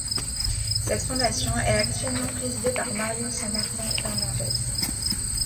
Cette fondation est actuellement présidée par Mario San Martín Fernández.